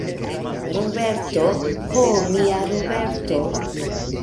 Roberto, ho, mia Roberto!